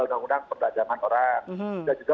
undang undang perdagangan orang dan juga